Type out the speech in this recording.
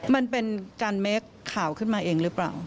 มันเป็นการเมคข่าวขึ้นมาเองหรือเปล่า